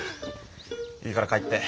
いいから帰って。